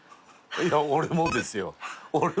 いや俺もですよ俺も。